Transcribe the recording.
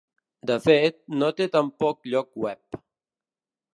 De fet, no té tampoc lloc web.